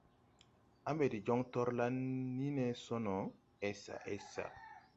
À mbɛ de joŋ torlan ni ne so no, esa esa.